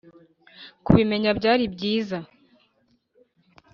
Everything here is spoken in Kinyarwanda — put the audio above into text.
kubimenya byari byiza